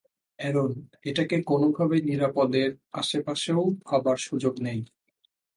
Aaron, এটাকে কোনোভাবেই নিরাপদের আশেপাশেও ভাবার সুযোগ নেই।